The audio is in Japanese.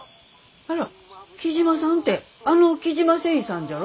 あら雉真さんてあの雉真繊維さんじゃあろ。